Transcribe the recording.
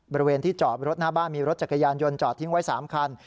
บริเวณที่จอดรถหน้าบ้านมีรถจักรยานยนต์จอดทิ้งไว้๓คัน